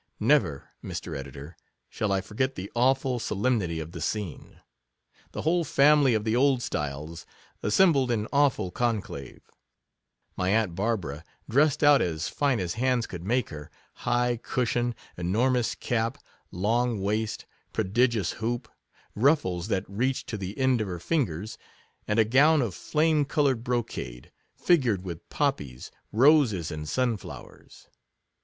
Ne ver, Mr. Editor, shall I forget the awful so lemnity of the scene. The whole family of the Oldstyles assembled in awful conclave: my aunt Barbara, dressed out as fine as hands could make her— high cushion, enor mous cap, long waist, prodigious hoop, ruf fles that reached to the end of her fingers, and a gown of flame coloured brocade, fi gured with poppies, roses, and sun flowers.